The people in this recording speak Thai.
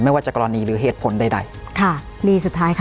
ไม่ว่าจะกรณีหรือเหตุผลใด